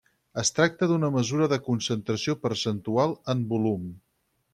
Es tracta d'una mesura de concentració percentual en volum.